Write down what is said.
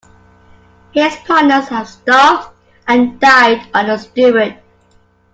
His partners had starved and died on the Stewart.